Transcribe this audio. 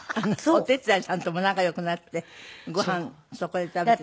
お手伝いさんとも仲良くなってご飯そこで食べてたの？